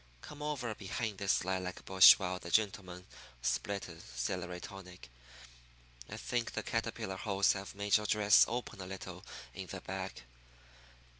Come over behind this lilac bush while the gentlemen split a celery tonic. I think the caterpillar holes have made your dress open a little in the back."